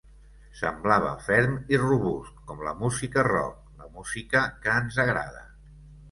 Semblava ferm i robust com la música rock, la música que ens agrada.